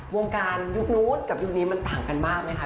วงการยุคนู้นกับยุคนี้มันต่างกันมากไหมคะ